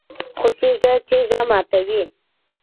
خو تیږه تیږه ماتوي